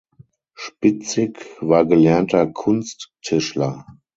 Spitzig war gelernter Kunsttischler.